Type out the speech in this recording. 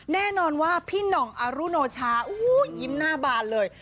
แน่นอนว่าพี่หน่องอรุโนชายิ้มหน้าบานเลย